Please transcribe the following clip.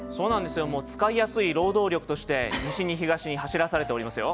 もう使いやすい労働力として西に東に走らされておりますよ。